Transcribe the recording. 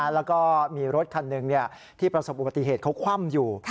แล้วก็มีรถคันหนึ่งที่ประสบอุบัติเหตุเขาคว่ำอยู่